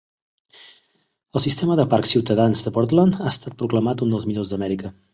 El sistema de parcs ciutadans de Portland ha estat proclamat un dels millors d'Amèrica.